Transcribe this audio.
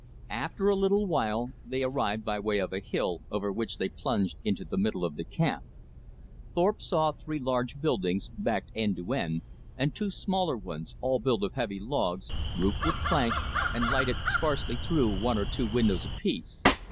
After a little while, they arrived by way of a hill, over which they plunged into the middle of the camp. Thorpe saw three large buildings, backed end to end, and two smaller ones, all built of heavy logs, roofed with plank, and lighted sparsely through one or two windows apiece.